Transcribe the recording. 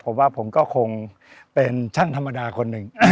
ผมว่าผมก็คงเป็นช่างธรรมดาคนหนึ่ง